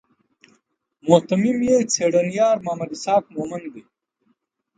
مهتمم یې څېړنیار محمد اسحاق مومند دی.